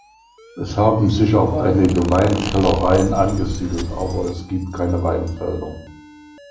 Es haben sich auch einige Weinkellereien angesiedelt, aber es gibt keine Weinfelder.